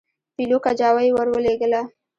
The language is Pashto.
پیلو کجاوه یې ورولېږله.